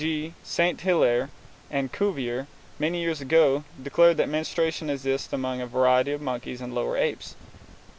G. St. Hilaire and Cuvier, many years ago, declared that menstruation exists among a variety of monkeys and lower apes.